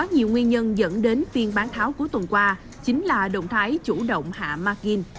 nhiều nguyên nhân dẫn đến phiên bán tháo cuối tuần qua chính là động thái chủ động hạ markin